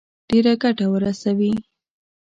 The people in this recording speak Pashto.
ډېره ګټه ورسوي.